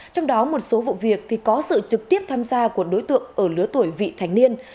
trong đó một số vụ việc thì có sự trực tiếp tham gia của đối tượng ở lứa tuổi vị thành niên